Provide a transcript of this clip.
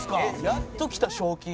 やっときた賞金。